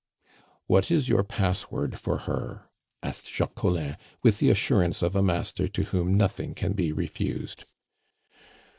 "What is your password for her?" asked Jacques Collin, with the assurance of a master to whom nothing can be refused.